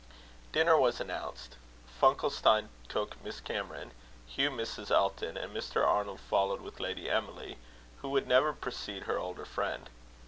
Dinner was announced. Funkelstein took Miss Cameron, Hugh Mrs. Elton, and Mr. Arnold followed with Lady Emily, who would never precede her older friend.